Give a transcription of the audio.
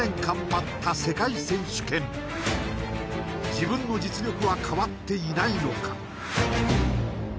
自分の実力は変わっていないのか？